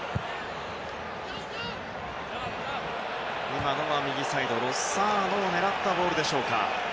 今のは右サイドのロサーノを狙ったボールでしょうか。